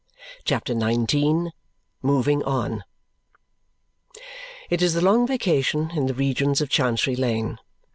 CHAPTER XIX Moving On It is the long vacation in the regions of Chancery Lane.